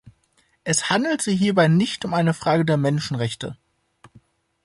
Es handelt sich hierbei nicht um eine Frage der Menschenrechte.